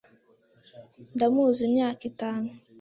Ndamuzi imyaka itanu.